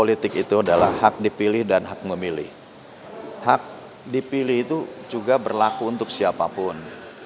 itu juga berlaku untuk siapapun